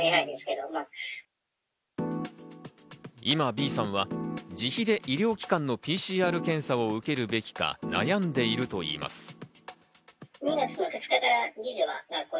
今、Ｂさんは自費で医療機関のＰＣＲ検査を受けるべきか、悩んでいるといいます。